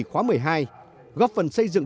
khóa một mươi hai góp phần xây dựng